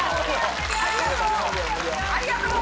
ありがとう！